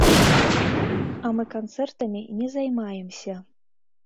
А мы канцэртамі не займаемся.